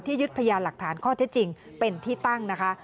ยึดพยานหลักฐานข้อเท็จจริงเป็นที่ตั้งนะคะ